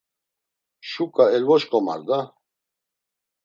Şuǩa elvoşǩomar da!